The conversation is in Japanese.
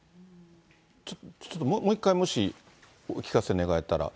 ちょっと、もう一回、もし、お聞かせ願えたら。